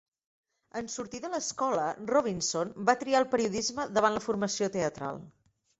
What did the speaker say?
En sortir de l'escola, Robinson va triar el periodisme davant la formació teatral.